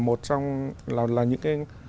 một trong là những cái